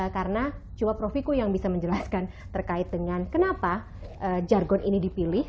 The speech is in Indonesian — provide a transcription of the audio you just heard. karena cuma prof wiku yang bisa menjelaskan terkait dengan kenapa jargon ini dipilih